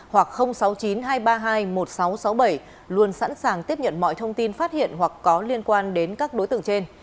hoặc sáu mươi chín hai trăm ba mươi hai một nghìn sáu trăm sáu mươi bảy luôn sẵn sàng tiếp nhận mọi thông tin phát hiện hoặc có liên quan đến các đối tượng trên